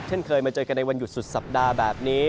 เช่นเคยมาเจอกันในวันหยุดสุดสัปดาห์แบบนี้